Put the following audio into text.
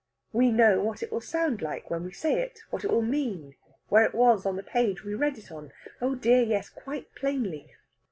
We know what it will sound like when we say it, what it will mean, where it was on the page we read it on. Oh dear yes! quite plainly.